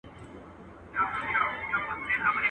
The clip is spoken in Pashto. خونه که مي وسوه، دېوالونه ئې پاخه سوه.